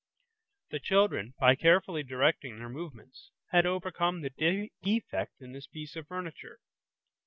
The children, by carefully directing their movements, had overcome the defect in this piece of furniture.